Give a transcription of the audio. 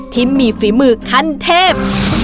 ที่มีฝีมือขั้นเทพ